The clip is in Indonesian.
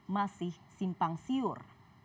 masih simpang siur